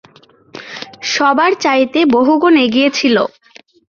সবার চাইতে বহুগুণ এগিয়ে ছিল।